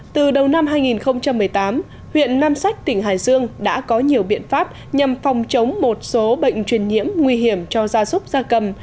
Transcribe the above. từ đầu năm hai nghìn một mươi tám huyện nam sách tỉnh hải dương đã có nhiều biện pháp nhằm phòng chống một số bệnh truyền nhiễm nguy hiểm cho gia súc gia cầm